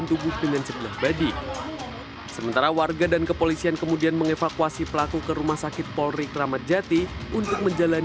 udah ditanya dia pertama tama ngaku kan awal awalnya dia ngaku juga kan